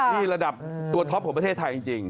นี่ระดับตัวท็อปของประเทศไทยจริง